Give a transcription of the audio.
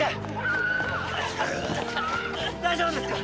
大丈夫ですか？